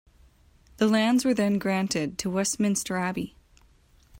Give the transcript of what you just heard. The lands were then granted to Westminster Abbey.